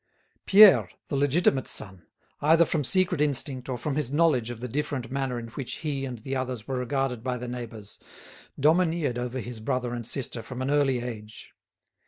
Pierre, the legitimate son, either from secret instinct or from his knowledge of the different manner in which he and the others were regarded by the neighbours, domineered over his brother and sister from an early age.